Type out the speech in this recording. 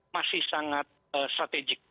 masih sangat strategik